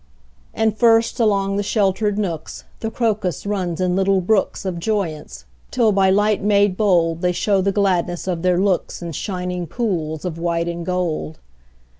And first, along the sheltered nooks, The crocus runs in little brooks Of joyance, till by light made bold They show the gladness of their looks In shining pools of white and gold.